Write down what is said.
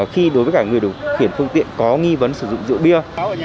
khi đối với cả người được kiểm phương tiện có nghi vấn sử dụng rượu bia